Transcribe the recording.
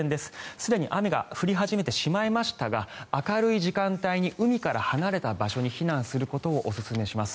すでに雨が降り始めてしまいましたが明るい時間帯に海から離れた場所に避難することをおすすめします。